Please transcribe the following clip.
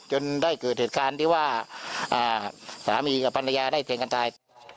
จนได้เกิดเหตุการณ์ที่ว่าสามีกับภรรยาได้แทงกันตาย